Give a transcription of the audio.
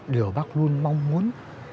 điều bác luôn mong muốn